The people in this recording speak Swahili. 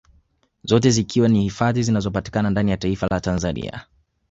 Zote zikiwa ni hifadhi zinazopatikana ndani ya taifa la Tanzania